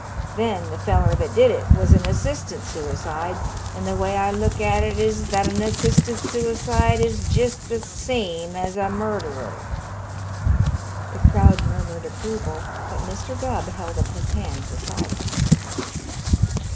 Then the feller that did it was an assistant suicide, and the way I look at it is that an assistant suicide is jest the same as a murderer." The crowd murmured approval, but Mr. Gubb held up his hand for silence.